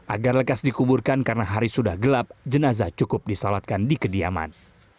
agar lekas dikuburkan karena hari sudah gelap jenazah cukup disalatkan di kediaman